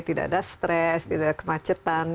tidak ada stres tidak ada kemacetan